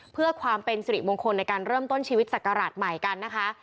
เพื่อความเป็นสิริมงคลในการเริ่มต้นชีวิตศักราชใหม่กันนะคะ